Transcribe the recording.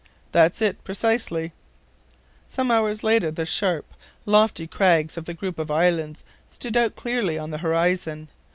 "That's it, precisely." Some hours later, the sharp, lofty crags of the group of islands stood out clearly on the horizon.